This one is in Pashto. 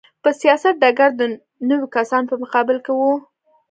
په سیاست ډګر ته د نویو کسانو په مقابل کې و.